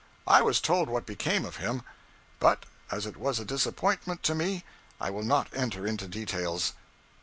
I was told what became of him, but as it was a disappointment to me, I will not enter into details.